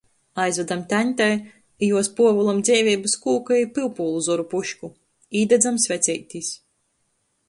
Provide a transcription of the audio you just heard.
Aizvadam taņtei i juos Puovulam dzeiveibys kūka i pyupūlu zoru pušku, īdadzam sveceitis.